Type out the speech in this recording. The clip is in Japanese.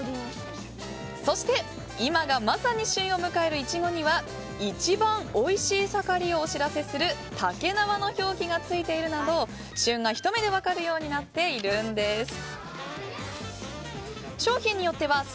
そして、今がまさに旬を迎えるイチゴには一番おいしい盛りをお知らせするたけなわの表記がついているなど旬がひと目で分かるようになっているんです。